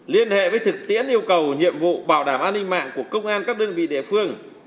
liên hệ với thực tiễn yêu cầu nhiệm vụ bảo đảm an ninh mạng của công an các đơn vị địa phương